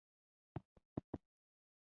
دا شمېر د اوسنیو ښارونو نفوس په پرتله کم و